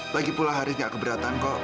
lagipula haris tidak keberatan kok